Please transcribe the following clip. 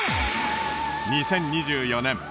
２０２４年